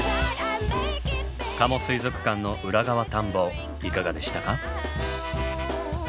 加茂水族館の裏側探訪いかがでしたか？